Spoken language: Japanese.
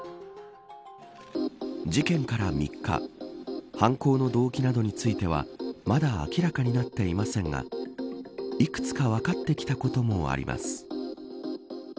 事件から３日犯行の動機などについてはまだ明らかになっていませんがいくつか分かってきたこともあります。